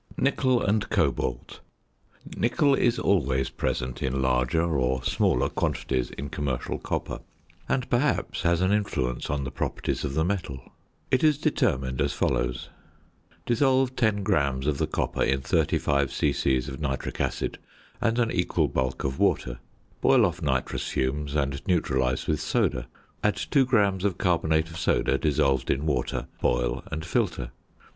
~Nickel and Cobalt.~ Nickel is always present in larger or smaller quantities in commercial copper, and, perhaps, has an influence on the properties of the metal. It is determined as follows: Dissolve 10 grams of the copper in 35 c.c. of nitric acid and an equal bulk of water, boil off nitrous fumes and neutralise with soda, add 2 grams of carbonate of soda dissolved in water, boil, and filter.